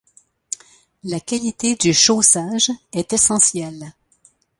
La qualité du chaussage est essentielle.